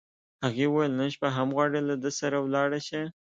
هغې وویل: نن شپه هم غواړې، له ده سره ولاړه شې؟